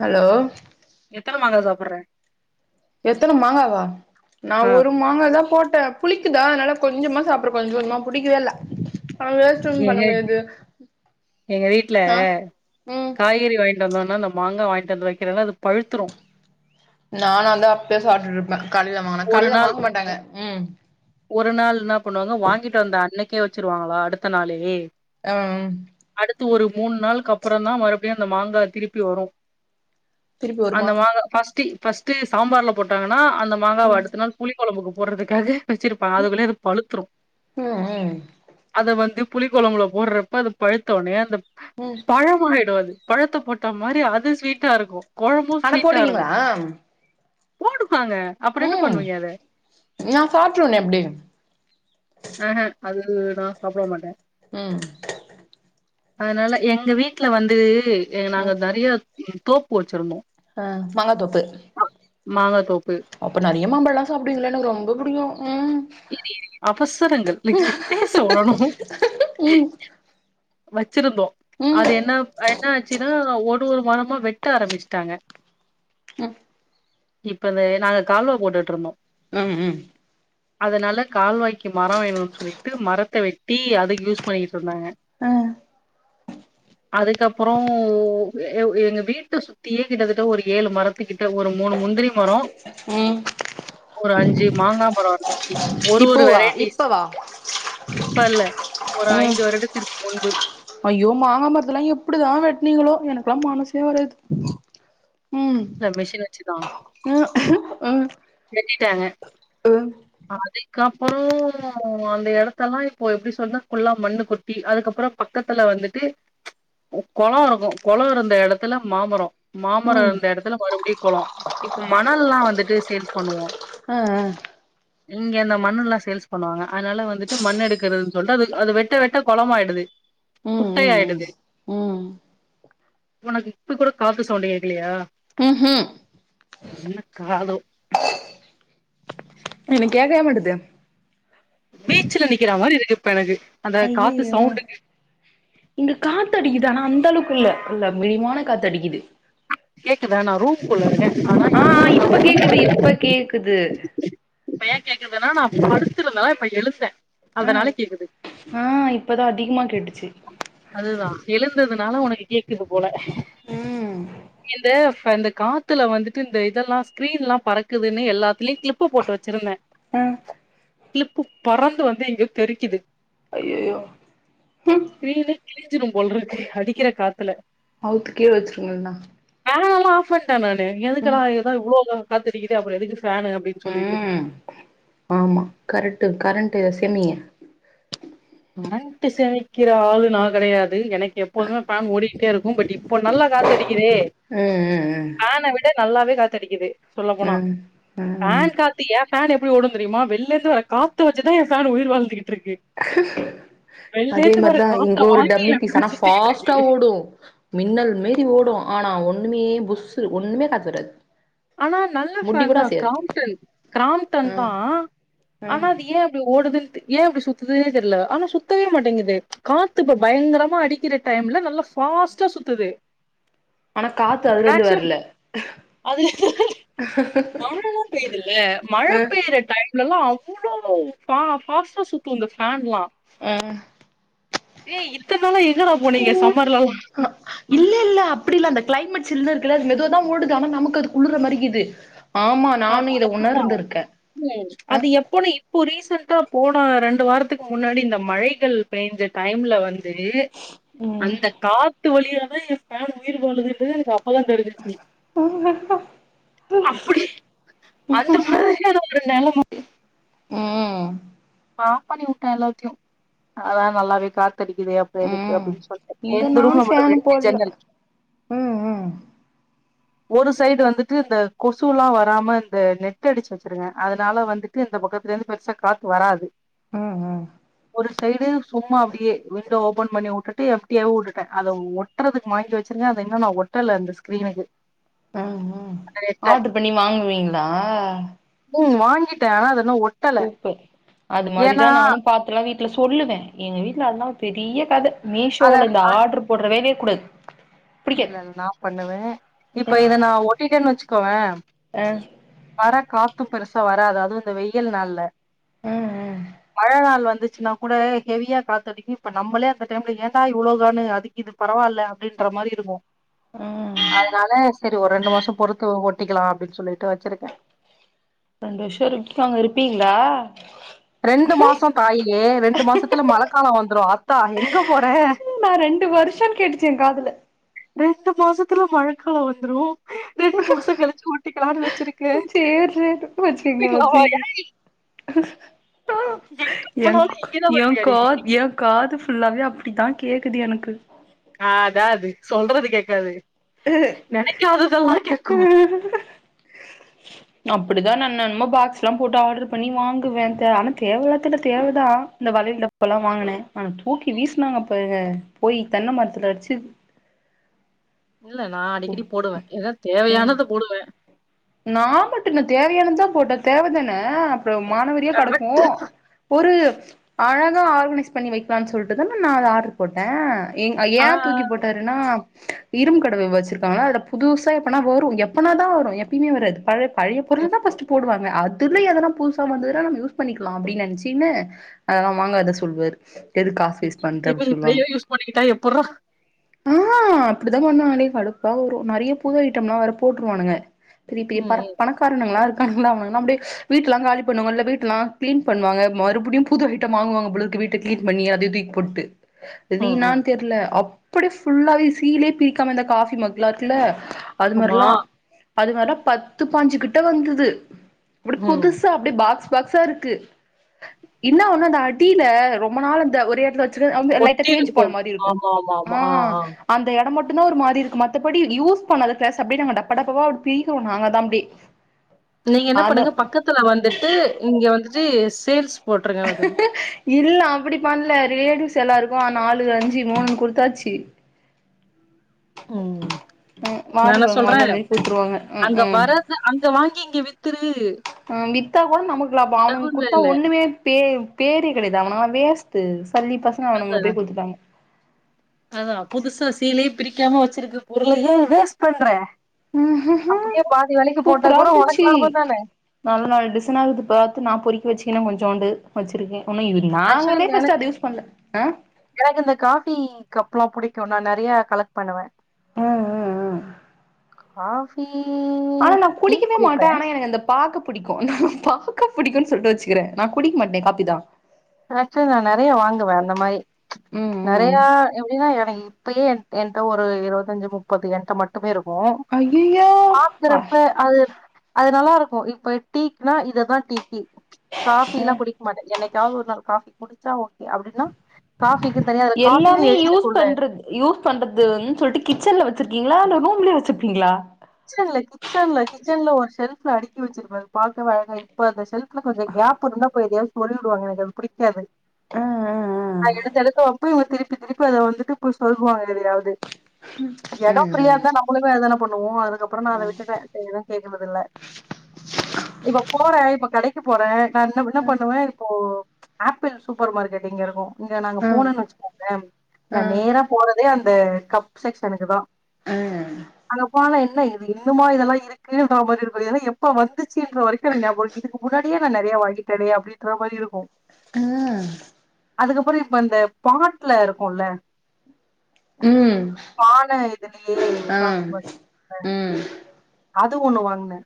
hello எத்தனை மாங்கா சாப்பிட்ற எத்தன மாங்காவா நா ஆ ஒரு மாங்கா தா போட்டே புளிக்குதா அதனால கொஞ்சமா சாப்புட்றே கொஞ்ச கொஞ்சமா புடிக்கவே இல்ல அது வேஸ்ட் ஏங்க எங்க வீட்ல ஆ ம் காய்கறி வாங்கி [unintelligible] அந்த மாங்கா வாங்கிட்டு வெக்கிறேல்ல அது பழுத்துரும் நானா இருந்தா அப்பயே சாப்பிட்டு இருப்பே கடையில வாங்குனா ஒரு கடையில நாள் வாங்க மாட்டாங்க உம் ஒரு நாள் என்னா பண்ணுவாங்க வாங்கிட்டு வந்த அன்னைக்கே வச்சிருவாங்களா அடுத்த நாளே அ அடுத்து ஒரு மூன் நாளுக்குக்கு அப்புற தா மறுபடியு அந்த மாங்கா திருப்பி வரும் திருப்பி வருமா அந்த மாங்கா ஃபர்ஸ்ட்டு இ ஃபத்ஸ்ட் டேஸ்ட் சாம்பார்ல போட்டாங்கன்னா அந்த மாங்காவ ம் அடுத்த நாள் புளி கொழம்புக்கு போறதுக்காக வச்சிருப் தாதுக்குள்ளயே இது பழுத்துரும் ம் ம் அத வந்து புளி கொழம்புல போட்றப்ப அத பழுத்தோவுட்னே அந்த ம் பழம் ஆயிடும் அது பழத்த போட்ட மாறி அது ஸ்வீட்டா இருக்கும் கொழம்பும் அட ஸ்வீட்டா போடுவீங்களா இருக்கும் போடுவாங்க அப்றோ என்ன ம் பண்ணுவீங்க அத நா சாப்ட்ருவனே அப்டி அ அஅ அது நா சாப்பிட மாட்டே உம் அதனால எங்க வீட்ல வந்து நாங்க ம் நறையா தோப்பு வச்சிருந்தோ அ மாங்காத்தோப்பு மாங்காத்தோப்பு அப்ப நறிய மாம்பழ எல்லா சாப்பிடுவீங்கில்ல எனக்கு ரொம்ப புடிக்கும் உம் அவசரங்கள் நீங்க பேச உடணு ம் வச்சிருந்தோ அது ம் என்னா என்னா ஆச்சுன்னா ஒர் ஒரு ஒரு மரமா வெட்ட ஆரம்பிச்சுட்டாங்க ம் இப்பவே நாங்க கால்வா போட்டுட்டு இருந்தோ உம் ம் அதனால கால்வாய்க்கு மரம் வேணும்னு சொல்லிட்டு மரத்த வெட்டி அதுக்கு யூஸ் பண்ணிக்கிட்டு இருந்தாங்க அ அதுக்கப்றோ எ உ எங்க வீட்ட சுத் தியே கிட்டத்தட்ட ஒரு ஏழு மரத்துக்கிட்ட ஒரு மூனு முந்திரி மரோ உம் ஒரு அஞ்சு மாங்கா மரம் இருந்துச்சி ஒரு ஒரு இப்போவா வெரைட்டிஸ் இப்பவா இப்ப இல்ல ஒரு ஐந்து வருடத்திற்கு முன்பு ஐய்யோ மாங்கா மரத்தெல்லா எப்படி தா வெட்னீங்களோ எனக்குல்லா மனசே வராது உம் இல்ல மிஷின் வச்சுதா ம் ம் ம் வெட்டிடாங்க ம் அதுக்கப்புற அந்த எடத்தல்லா இப்போ எப்டி சொன்னா ஃபுல்லா மண்ணு கொட் டி அதுக்கப்புற பக்கத்துல வந்துட்டு கொளோ இருக்கு கொளோ இருந்த எடத்துல மாமர மாமர ம் இருந்த எடத்துல மறுபடியு கொளோ இப்ப மணல்லா வந்துட்டு சேல்ஸ் பண்ணுவோ அ அ இங்க அந்த மண்ணு எல்லா சேல்ஸ் பண்ணுவாங்க அதனால வந்துட்டு மண்ணு எடுக்கிறதுன் சொல்ட்டு அது அது வெட்ட வெட்ட கொளமாயிடுது ம் ம் ம் குட்டையாயிடுது ம் உனக்கு இப்ப கூட காத்து சவுண்டு கேக்கலையா ம்ஹும் என்ன காதோ எனக்கு கேக்கயே மாட்டுது பீச்ல நிக்கிற மாரி இருக்கு இப்ப எனக்கு அந்த காத்து ஐயயோ சவுண்டு இங்க காத்தடிக்குது ஆனா அந்த அளவுக்கு இல்ல இல்ல மழிவமான காத்தடிக்குது கேக்குதா நா ரூம் குள்ள இருக்க ஆனா ஆ ஆ இவ்ளோ இப்ப சத்தோ கேக்குது இப்ப கேக்குது இப்ப ஏ கேக்குதுன்னா நா படுத்துருந்தனா இப்ப எழுந்த அ ஆ இப்பதா அதிகமா கேட்டுச்சு அதுதா எழுந்ததுனால உனக்கு கேக்குது போல ம் இந்த இந்த காத் த்துல வந்துட்டு இந்த இதெல்லா ஸ்கிரீன்லா பறக்குதுன்னு எல்லாத்துலயு கிளிப் போட்டு வச்சிருந்தே ம் கிளிப்பு பறந்து வந்து இங்க தெரிக்குது ஐயயோ ம் ஸ்கிரீனே கிழிஞ்சிரும் போலருக்கு அடிக்கிற காத்துல அவுத்து கீழ வச்சிருங்க இல்லனா ஃபேன எல்லா ஆஃப் பண்ணிட்டே நானு எதுக்குடா ஏதா இவ்ளோ காத்தடிக்குது அப்புற எதுக்கு ஃபேனு அப்டினு சொல்ட்டு ம் ஆமா கரட்டு கரண்ட்டு எசுனிய கரண்டு சேமக்கிற ஆளு நா கெடையாது எனக்கு எப்போதுமே பேன் ஓடிக்கிட்டே இருக் கடி இப்போ நல்லா காத்தடிக்கிதே ம் ம் ம் ஃபேன விட நல்லாவே காத்தடிக்குது சொல்ல போனா ம் ம் ம் ஃபேன் காத் து எ ஃபேன் எப்டி ஓடு தெரியுமா வெள்ளில இருந்து வர காத்து வச்சுதா எ ஃபேன் உயிர் வாழ்ந்துட்டு இருக்கு அதே மாரிதா காத்த இங்க ஒரு வாங்கி டம்மி என் பீஸ் ஃபேன் ஆனா ஃபாஸ்டா சுத்திக்கிட்ருக்கு ஓடு மின்னல் மேறி ஓடு ஆனா ஒண்ணுமே புஸ்ஸு ஒண்ணுமே காத்து வராது ஆனா நல்ல முட்டி ஃபேன் கூட தா அசையாது கிராம்டன் கிராம்டன் ம் தா ஆனா ம் அது ஏ அப்டி ஓடுதுன்டு ஏ அப்டி சுத்துதுனே தெரில ஆனா சுத்தவே மாட்டேங்குது காத்து இப்ப பயங்கரமா அடிக்கிற டைம்ல நல்லா சு ஃபாஸ்டா சுத்துது ஆனா காத்து அதுலந்து மேக்சிமம் வரல அதுல மழல்லா பெய்துல்ல மழ ம் பெய்ர டைம்லலா அவ்ளோ ஃபாஸ்டா சுத்து இந்த ஃபேன்லா ம் ஏ இத்நாளா எங்கடா போனீங்க சம்மர்லல்லா ஆ இல்ல இல்ல அப்டி இல்ல அந்த கிளைமேட் சில்லுனு இருக்குல்ல அது மெதுவாதா ஓடுது ஆனா நமக்கு அது குள்ளர்ற மாருகிது ஆமா நானும் இத உணர்ந்திருக்கே ம் அ அது எப்போனு இப்போ ரீசண்டா போனா ரெண்டு வாரத்துக்கு முன்னாடி இந்த மழைகள் பெஞ்ச டைம்ல வந்து ந்து அந்த காத்து வழியா தா ஏ ஃபேன் உயிர் வாழுதுன்றது எனக்கு அப் ப தா தெரிஞ்சுச்சு அப்டி அந்த மாதிரியான ஒரு நெலம ம் ஆப் பண்ணி விட்டே எல்லாத்தையு அதா நல்லாவே காத்தடிக்குதே அப் ப்ப எதுக்கு ம் அப்டின்னு சொல்லிடு இங்க எங்க நானு ரும்ல மட்டு ஃபேனு ரெண்டு போட்ல ஜன்னல் ம் ம் ஒரு சைடு வந்துட்டு இந்த கொசுல்லா வராம இந்த நெட்டு் அடிச்சு வச்சிருங்கெ அதனால வந்துட்டு இந்த பக்கத்தல இருந்து பெருசா காத்து வராது ம் ம் ஒரு சைடு சும்மா அப்டியே வெளி ஓபன் பண்ணி விட்டுட்டு எம்டியா விட்டுட்டே அத ஒட்டுறதுக்கு வாங்கி வச்சிருக்கே அத இன்னும் நா ஒட்டல அந்த ஸ்கிரீனுக்கு ம் ம் அந்த நெட்ட ஆர்டரு பண்ணி வாங்குவீங்களா ம் வாங்கிட்டே ஆனா அத இன்னு ஒட் சூப்பர் அது மாரிதா நானும் பாத்துலா வீட்டுல சொல்லுவே எங்க வீட்டுல அதல்லா பெரிய கத அத மீஷோல இந்த ஆர்டரு போடுற வேலயே கூடாது இல்ல புடிக்காது இல்ல நா பண்ணுவே இப்ப ம் இத நா ஒட்டிட்டேன்னு வச்சுக்கோவே அ வர காத்தும் பெருசா வராது அதுவும் இந்த வெய்ல் நாள்ல ம் ம் மழநாள் வந்துச்சுன்னா கூட ஹெவியா காத்தடிக்கும் இப்ப நம்மளே அந்த டைம்ல ஏண்டா இவ்வளோகானு அதிக இது பரவால்ல அப்டின்ற மாரி இருக்கும் ம் அதனால சரி ஒரு ரெண்டு மாசம் பொறுத்து ஒட்டிக்கலா அப்டின்னு சொல்லிட்டு வச்சிருக்கே ரெண்டு வருஷோ இரு அங்க இருப்பீங்களா ரெண்டு மாசோ தாயே ரெண்டு மாசத்துல மழக்காலோ வந்துரும் ஆத்தா எங்க போற நா ரெண்டு வருஷோன்னு கேட்டுச்சு ஏ காதுல ரெண்டு மாசத்துல மழக்காலோ வந்துரும் ரெண்டு மாசோ கழிச்சு ஒட்டிக்களான்னு வச்சிருக்கே நைட்டு பூ வச்சிங்க கேப்பீங்களாவா வச்சிங்க எங்க போனாலு இங்கதா ஏ வருவியாடி கா ஏ காது ஃபுல்லாவே அப்டிதா கேக்குது எனுக்கு காதா அது சொல்றது கேக்காது நெனைக்காததெல்லா கேட்கும் இ ம்ம் அப்டிதா நா னென்னமோ பாக்ஸ்ல்லா போட்டு ஆர்டர் பண்ணி வாங்குவே தே ஆனா தேவலாத்துட்ட தேவதா இந்த வளையல் டப்பால்லா வாங்கினே ஆனா தூக்கி வீசினாங்க பாரு போய் தென்ன மரத்துல அடிச்சது இல்ல நா அடிக்கடி போடுவே ஏதா தேவையானத போடுவே நா மட்டு என்ன தேவையானதா போட்ட தேவதான அப்றோ மாணவரியா கடக்கும் ஒரு அழகா ஆர்கனைஸ் பண்ணி வைக்கலான்னு சொல்லிட்டுதான நா அத ஆர்டர் போட்டே எங் ஏ ஆனா தூக்கி போட்டாரு ஏன்னா இரும்பு கட வச்சிருக்காங்களா அதுல புதுசா எப்பனா வரும் எப்பனா தா வரும் பயுமே வராது பழ பழைய பொருள் தா பஸ்ட் போடுவாங்க அது திருநீலல்லா புதுசா வந்ததுன்னா நம்ம யூஸ் பண்ணிக்கலாம் அப்டின்னு நினைச்சின்னு அதெல்லா வாங்க அத சொல்லுவாரு எது காசு வேஸ்ட் பண்ற திருப்பி அப்டி சொல்லுவாங்க இப்படியே யூஸ் பண்ணிக்கிட்டா எப்புட்றா ஆ அப்படித்தா பண்ணுவாங்கனே கடுப்பா வரு நிறைய புது ஐட்டம் எல்லாம் வேற போட்டுருவானுங்க பெரிய பெரிய ம் பரக் பணக் காரனுகலா இருக்கான்லா அவுங்களா அப்டியே வீட்லாம் காலி பண்ணுவாங்ள வீட்லாம் கிளீன் பண்ணாங்க மறுபடியு புது வீட்ட வாங்குவாங்க போலருக்கு வீட்ட கிளீன் பண்ணி அதை தூக்கி போட்டு ம் ம் ம் ரீன்னானு தெர்ல அப்டி ஃபுல்லாவே சீலே பிரிக்காம இந்த காபி மக்ளாருக்கில்ல அது ஆமா மார்லாம் அது மாரிலாம் பத்து பாஞ்சு கிட்ட வந்தது அப்டி ம் புதுசா அப்டி பாக்ஸ் பாக்ஸாருக்கு இன்னொன்னு இந்த அடியில ரொம்ப நாளா இந்த ஒரே எடல வச் சிரு வந்து லைட்டா ஒட்டி தேஞ்சு இருக்கு போன மாரி இருக்கும் ஆமா ஆமா ஆமா ஆ ஆ அந்த எடொ மட்டும்தா ஒரு மாதிரிருக்கும் மத்தபடி யூஸ் பண்ணாத கிளாஸ் அப்டி நாங்க டப்பா டப்பா பி ச்சோ நாங்க தா அப்டி நீங்க என்ன அந்த பண்ணுங்க பக்கத்துல வந்துட்டு இங்க வந்துட்டு சேல்ஸ் போட்ருங்க அத இல்ல அப்டி பண்ல லேடிஸ்கு எல்லார்கு நாலு அஞ்சு மூணுண் குடுதாச்சி உம் ம் வாரி வழங்கும் வள்ளல் மாரி பிரிச்சுருவாங்க ம் ம் த்த அங்க வாங்கி இங்க வித்துரு ஆ வித்தா கூட நமக்கு லாபம் அவனுங்க டவுன்ல குடுத்தா இல்ல ஒண்ணுமே பே பேரிகள் இத அவனா வேஸ்ட்டூ சல்லி பசங்க அவனுங்கள அதா போய் கொடுத்துட்டாங்க அதா புதுசா சீலே பிரிக்காம வெச்சிருக்க பொருளையே வேஸ்ட் பண்ற அப்டியே பாதி வெலைக்கு போட்டா சூப்பரா கூட இருந்துச்சு உனக்கு லாபந்தான நல்ல நல்ல டிசைனா பார்த்து நா பொறிக்கி வெச்சிகன கொஞ்சோண்டு வச்சிருக்கேன் உன்னு இது ஆக்சுவலி நாங்களே ஃபர்ஸ்ட் எனக்கு அத யூஸ் பண்ல அ எனக்கு இந்த காஃபி கப்லாம் புடிக்கும் நா நெறைய கலெக்ட் பண்ணுவே காஃபீ ஆனா நா குடிக்கவே மாட்டே ஆனா எனக்கு அந்தப் பாக்க பிடிக்கும் பாக்க புடிக்கும்னு சொல்டு வெச்சுக்கிறே நா குடிக்க மாட்டே காப்பிதா ஆக்சுவலா நா நெறைய வாங்குவேன் அந்த மாரி ம் ம் நிறைய எப்டினா எனக்கு இப்பயே என் என்ட்ட ஒரு இருபத்தஞ்சு முப்பது என்ட்ட ம ட்டுமே இருக்கு ஐயையோ ஆ பாக்கறப்ப அது அது நல்லா இருக்கும் இப்ப டீக்னா இததா டீக்கி காஃபி எல்லா குடிக்க மாட்டே என்னைக்காவது ஒரு நாள் காஃபி குடிச்சா ஓக்கே அப்டினா காபிக்கு தனியா அது காஃபினு எல்லாமே யூஸ் எழுதிருக்குள்ள பண்றது யூஸ் பண்றதுன் சொல்லிட்டு கிச்சன்ல வெச்சிருக்கீங்களா இல்ல ரூம்லயே வெச்சிருப்பீங்களா கிச்சன்ல கிச்சன்ல கிச்சன்ல ஒரு ஷெல்ப்ல அடுக்கி வெச்சிருப்பே பாக்கவே அழகா இப்ப அந்த ஷெல்ப் கொஞ்ச கேப் இருந்தா போய் எதாவது பொருள்வாங்கு எனக்கு அது புடிக்காது ம் நா எடுத்து எடுத்து வெப்ப இவ திருப்பி திருப்பி அத வந்துட்டு போய் சொல்வா எதையாவது எடம் ஃப்ரீயா ம் இருந்தா நம்ளுக்கு எதன பண்ணுவோ அது அதுக்கு அப்றோ நா அத விட்டுட்டே இப்ப எதுவு கேக்றது இல்ல இப்ப போற இப்ப கடைக் கு போறேன் நா என்ன பண்ணுவேன் இப்போ ஆப்பிள் சூப்பர் மார்க்கெட்டிங் இங்க இருக்கும் இங்க நாங்க ம் போனோன்னு வச்சுக்கோங்க நா ம் நேரா போறதே அந்த கப் செக்ஸ்க்ஷனுக்கு தான் ம் ம் அங்க போன என்ன இது இன்னுமா இதெல்லா இருக் க்குனா மாதிரி இரு ஏ எப்ப வந்துச்சுன்ற வரைக்கு இதுக்கு முன்னாடியே நா நெறைய வாங்கிட்டனே அப்டின்ற மாரி இருக்கும் ஆ அதுகப்புறம் இப்ப இந்த பாட்ல இருக்கும்ல ம் பான இதுலயே ஆ காஃப் மட்டு இருக்கும்ல ம் அது ஒண்ணு வாங்குன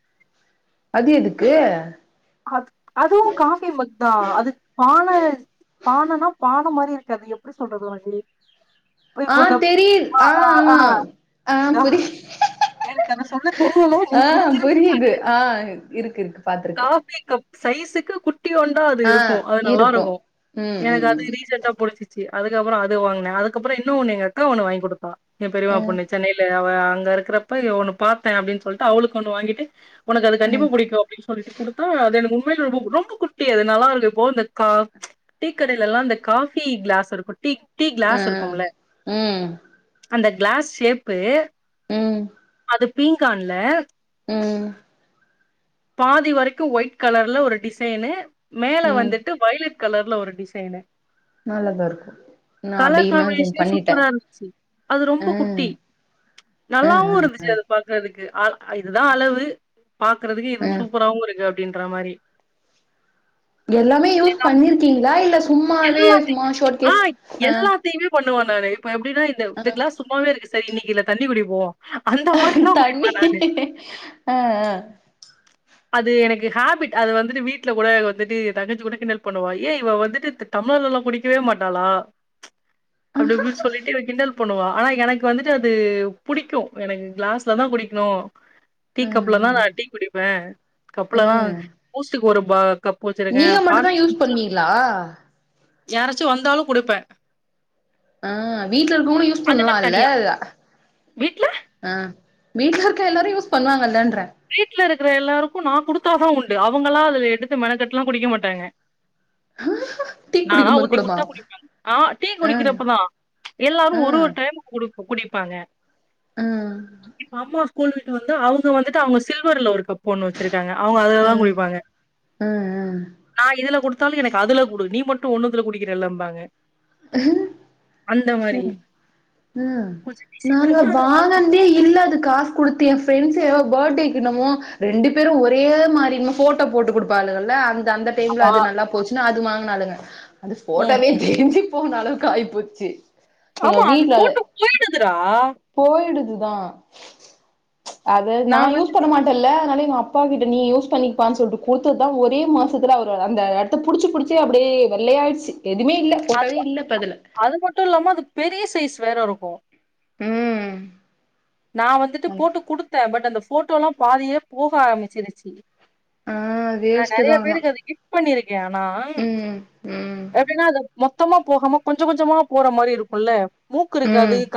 அது எதுக்கூ அ அதுவு காஃபி மக்குதா அதுக் பால பானனா பான மாரிருக்காது எப்டி சொல்றது வந்து இப்ப அந்த ஆ ஆ ஆ ஆ புரிய அத சொல்ல தெரியல நீ ஆ புரிஞ்சிருப்பனு புரியுது ஆ இருக்கு இருக்கு நா பாத்துருக்கே நெனச் டி கப் சய்ஸுக்கு குட்த் குட்டி ஒண்டா அது ஆ இருக்கு அது இருக்கு நல்லாருகு ம் எனக்கு ம் அது ம் ரீசண்டா புடிசிச் சி அதுக்கப்புறோ அது வாங்கின அதுகப்புற இன்னு ஒன்னு எங்க அக்கா ஒன்னு வாங்கி கொடுத்தா ஏ பெரிமா அ பொண்ணு சென்னைல அவ அங்க இருக்குரப்ப ஒண்ணு பாத்தே அப்டின்னு சொல்லிட்டு அவளுக்கு ஒண்ணு வாங்கிட்டு உனக்கு அது அ கண்டிப்பா புடிக்கு அப்படின்னு சொல்லிட்டு கொடுத்தா அது எனக்கு உண்மையில ரொம்ப ரொம்ப குட்டி அது நல்லா இருக்கு இப்போ இந்த கா ம்ச் டீ கடையில எல்லா இந்த காபி கிளாஸ் இருக்கு டீ ஆ கிளாஸ் இருக்கும்ல ம் அந்த கிளாஸ் ஷேப்பு உம் இந்த பீங்கான்ல உம் பாதி வரைக்கு ஒயிட் கலர்ல ஒரு டிசைனு மேல ம் வந்துட்டு வயிலெட் கலர்ல ஒரு டிசைனு நல்லதா இருக்கு நா அப்டி கலர் இமேஜின் காம்பினேஷனே பண்ணிட்டே சூப்பரா இருந்துச்சு அது ஆ ரொம்ப குட்டி ஆ நல்லாவு ஆ இருந்துச்சு அது பாக்குறதுக்கு அ இதுதா அளவு பாக்குறதுக்கு இது ஆ சூப்பராவு இருக்கு அப்படின்ற மாரி எல்லாமே யூஸ் பண்ணிருக்கீங்களா இல்ல சும்மாவே சும்மா ஷோ கேஸ் ஆ வே பண்ணுவா நானு இப்ப எப்படி தா இந்த ஆ கிளாஸ் சும்மாவே இருக்கு சரி இன்னைக்கு இதுல தண்ணி குடிப்போ அந்த மாரிலா குடிப்பே தண்ணி நானு ஆ ஆ அது எனக்கு ஹேபிட் அது வந்துட்டு வீட்டுல கூட வந்துட்டு தங்கச்சி கூட கிண்டல் பண்ணுவா ஏ இவ வந்துட்டு டம்ளர்ல எல்லா குடிக்கவே மாட்டாளா அப்படி இப்படி சொல்லிட்டு என்ன கிண்டல் பண்ணுவா ஆனா எனக்கு வந்துட்டு அது புடிக்கு எனக்கு கிளாஸ் ல தா குடிக்கணு டீ ஆ கப்ல தா நா ஆ டீ குடிப்பே ஆ கப்புலதா பூஸ்ட்க்கு ஒரு ப கப்பு வச்சிருக்கே நீங்க மட்டுந்தா ஹார்லிக்ஸ் யூஸ் குடிச்சா பண்ணுவீங்களா யாராச்சு வந்தாலு குடுப்பே ஆ வீட்ல இருக்கிறவங்களு யூஸ் பண்ணலா அதுக்குன் இல்ல தனியா வீட்ல ஆ வீட்ல இருக்க எல்லாரு யூஸ் பண்ணுவாங்கில்ல என்ற வீட்ல இருக்கிற எல்லாருக்கு நா குடுத்தாத உண்டு அவங்களா அதுல எடுத்து மெணக்கெட்டு எல்லா குடிக்க மாட்டாங்க ஹ நா ஊத்தி குடுதா குடிப்பே ஆ டீ ஆ குடிக்கிறப்பதா ம்ச் எல்லாரு ஆ ஒரு ஒரு டைம் கூட குடிப்பாங்க ஆ இப்ப அம்மா ஸ்கூல் விட்டு வந்து அவங்க வந்து அவங்க சில்வர்ல ஒரு கப்பு ஒண்ணு வெச்சிருக்காங்க அவங்க ஆ அதுலதா குடிப்பாங்க ஆ ஆ நா இதுல குடுத்தாலு எனக்கு அதுல குடு நீ மட்டு ஒண்ணுதுல குடிக்கிற இல்லம்பாங்க உம் உம் உம் கொஞ்ச நாங்க விசித்திரமா வாங்க தே இல்ல அது காசு கொடுத்து எ பிரெண்ட்ஸ் ஏதோ பர்த்டேக்கு என்னமோ ரெண்டு பேரு ஒரே மாரி போட்டோ போட்டு கொடுப்பாலுங்கல அந்த அந்த டைம்ல ஆமா அது நல்லா போச்சுன்னா அது வாங்குநாளுங்க அது ம் போட்டவே ம் தேஞ்சு போன அளவுக்கு ஆயிபோச்சு ஆமா அது போட்டோ போயிடுதுடா போயிடுதுதா அத நா யூஸ் பண்ண மாட் டல்ல அதுனால எங்க அப்பா கிட்ட நீ யூஸ் பண்ணிக்பானு சொல்ட்டு குடுத்த தா ஒரே மாசத்துல் அவரு அந்த எடத் த்த புடுச்சு புடுச்சே அப்டியே வெள்ளையாயிடுச்சு எதுமே இல்ல போட்டாவே இல்ல இப்ப அதுல அது மட்டு இல்லாம அது பெரிய சைஸ் வேற இருக்கு ம் நா வந்துட்டு போட்டு குடுத்தே பட் அந்த போட்டோல்லா பாதியே போக ஆரம்பிச்சிருச்சு ஆ நா நெறைய வேஸ்ட்டுதா ஆனா பேருக்கு அது கிஃப்ட் பண்ணிருக்கே ஆனா ம் ம் எப்டின்னா அத மொத்தமா போகாம கொஞ்சொ கொஞ்சமா போற மாரி இருக்குல்ல மூக்கு ம் இருக்காது